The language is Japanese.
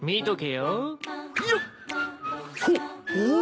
よっ！